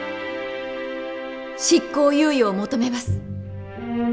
執行猶予を求めます。